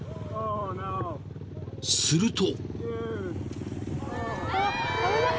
［すると］